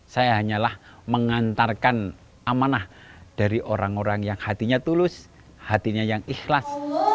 saya hanyalah mengantarkan amanah dari orang orang yang hatinya tulus hatinya yang ikhlas